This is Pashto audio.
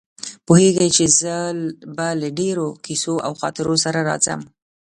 پوهېږي چې زه به له ډېرو کیسو او خاطرو سره راځم.